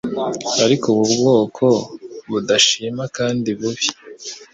Ariko ubu bwoko budashima kandi bubi